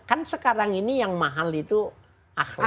kan sekarang ini yang mahal itu akhlak